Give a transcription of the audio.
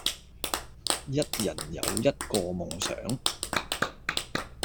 一人有一個夢想